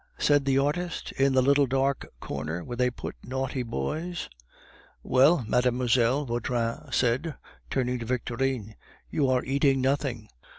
said the artist, "in the little dark corner where they put naughty boys." "Well, mademoiselle," Vautrin said, turning to Victorine, "you are eating nothing.